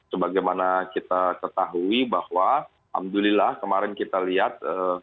sebagaimana kita ketahui bahwa alhamdulillah kemarin kita lihat